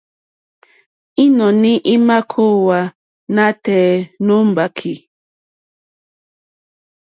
Ínɔ̀ní ímà kòówá nátɛ̀ɛ̀ nǒ mbàkì.